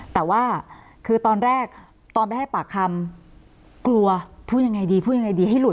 แต่ว่าคือตอนแรกตอนไปให้ปากคำกลัวพูดยังไงดีพูดยังไงดีให้หุ